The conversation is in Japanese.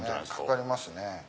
かかりますね。